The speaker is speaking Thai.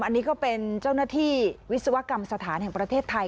อันนี้ก็เป็นเจ้าหน้าที่วิศวกรรมสถานแห่งประเทศไทย